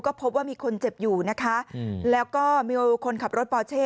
ก็พบว่ามีคนเจ็บอยู่นะคะแล้วก็มีคนขับรถปอเช่